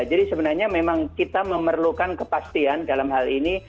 jadi sebenarnya memang kita memerlukan kepastian dalam hal ini